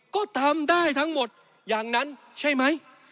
ก็ทำได้ทั้งหมดอย่างนั้นใช่ไหม